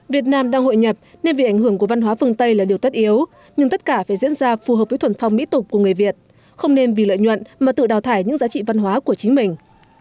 việt nam đang hội nhập nên vì ảnh hưởng của văn hóa phương tây là điều tất yếu nhưng tất cả phải diễn ra phù hợp với thuần phong mỹ tục của người việt không nên vì lợi nhuận mà tự đào thải những giá trị văn hóa của chính mình